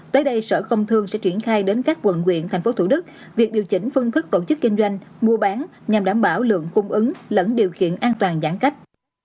tới đây sở công thương sẽ triển khai đến các quận quyện tp thủ đức việc điều chỉnh phương thức tổ chức kinh doanh mua bán nhằm đảm bảo lượng cung ứng lẫn điều kiện an toàn giãn cách